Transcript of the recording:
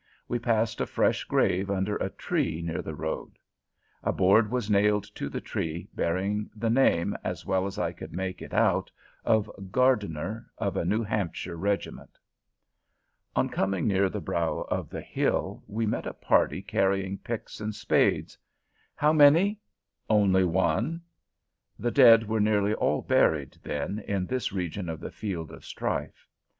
We passed a fresh grave under a tree near the road. A board was nailed to the tree, bearing the name, as well as I could make it out, of Gardiner, of a New Hampshire regiment. On coming near the brow of the hill, we met a party carrying picks and spades. "How many?" "Only one." The dead were nearly all buried, then, in this region of the field of strife.